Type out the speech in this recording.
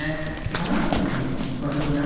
歯並び悪くない？